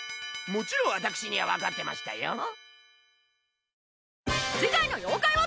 もちろん私にはわかってましたよ。